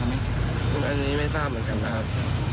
ไม่มีครับ